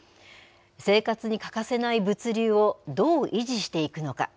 生活に欠かせない物流を、どう維持していくのか。